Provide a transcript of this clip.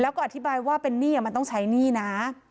แล้วก็อธิบายว่าเป็นหนี้มันต้องใช้หนี้นะ